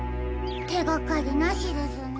てがかりなしですね。